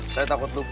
saya takut lupa